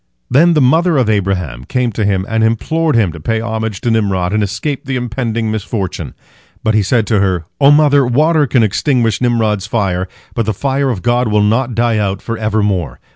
Then the mother of Abraham came to him and implored him to pay homage to Nimrod and escape the impending misfortune. But he said to her: "O mother, water can extinguish Nimrod's fire, but the fire of God will not die out for evermore.